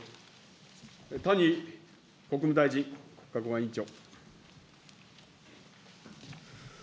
谷国務大臣国家公安委員長。